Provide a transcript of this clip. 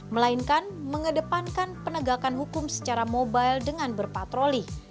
melainkan mengedepankan penegakan hukum secara mobile dengan berpatroli